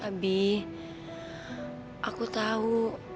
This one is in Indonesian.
abi aku tahu